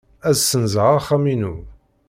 Ad ssenzeɣ axxam-inu.